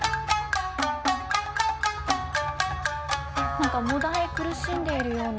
何かもだえ苦しんでいるような。